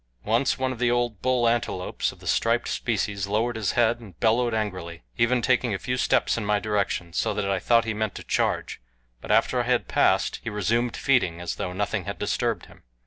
Once one of the old bull antelopes of the striped species lowered his head and bellowed angrily even taking a few steps in my direction, so that I thought he meant to charge; but after I had passed, he resumed feeding as though nothing had disturbed him.